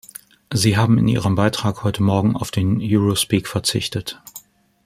Sie haben in Ihrem Beitrag heute Morgen auf den Eurospeak verzichtet.